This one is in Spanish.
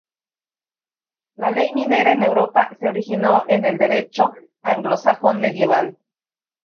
La ley minera en Europa se originó en el derecho anglosajón medieval.